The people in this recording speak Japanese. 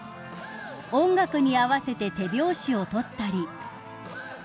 ［音楽に合わせて手拍子を取ったり］